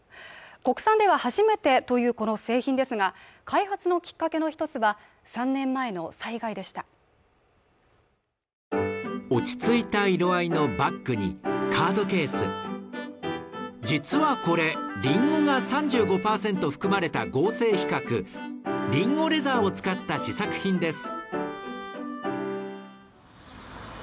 国産では初めてというこの製品ですが開発のきっかけの一つは３年前の災害でした落ち着いた色合いのバッグにカードケース実はこれりんごが３５％含まれた合成皮革りんごレザーを使った試作品です